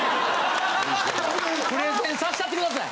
プレゼンさしたってください。